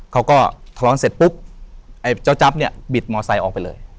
เขาก็ทะเลาะเสร็จปุ๊บไอ้เจ้าจั๊บเนี่ยบิดมอไซค์ออกไปเลย